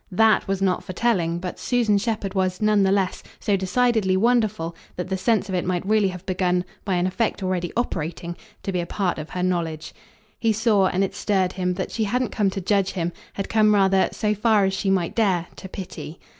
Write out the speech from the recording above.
THAT was not for telling, but Susan Shepherd was, none the less, so decidedly wonderful that the sense of it might really have begun, by an effect already operating, to be a part of her knowledge. He saw, and it stirred him, that she hadn't come to judge him; had come rather, so far as she might dare, to pity.